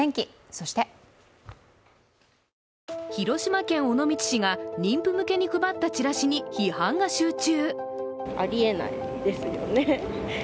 そして広島県尾道市が妊婦向けに配ったチラシに、批判が集中。